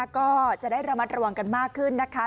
ก็จะได้ระมัดระวังกันมากขึ้นนะคะ